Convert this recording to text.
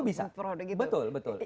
itu bisa betul betul